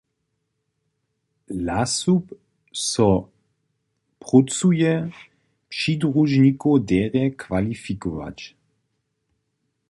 LaSuB so prócuje přidružnikow derje kwalifikować.